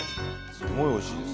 すごいおいしいです。